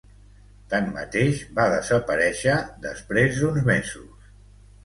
Tanmateix, va desaparèixer després d'uns mesos.